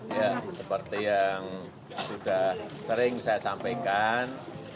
ya seperti yang sudah sering saya sampaikan